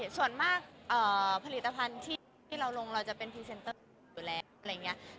ส่วนมากผลิตภัณฑ์ที่เราลงเราจะเป็นพรีเซนเตอร์อยู่แล้วอะไรอย่างนี้